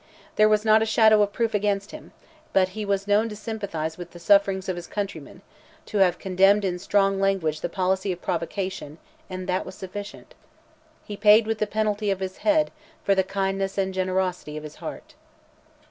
There was not a shadow of proof against him; but he was known to sympathize with the sufferings of his countrymen, to have condemned in strong language the policy of provocation, and that was sufficient. He paid with the penalty of his head for the kindness and generosity of his heart.